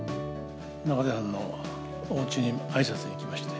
仲代さんのおうちにあいさつに行きまして。